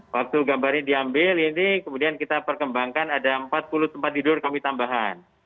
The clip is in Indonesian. waktu gambarnya diambil ini kemudian kita perkembangkan ada empat puluh tempat tidur kami tambahan